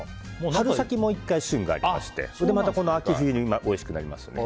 春先にも１回旬があってまた秋冬においしくなりますね。